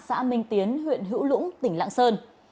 xã minh tiến huyện hữu lũng tỉnh lạng sơn